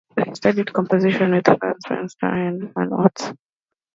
He studied composition with Hans Werner Henze and Hans Otte.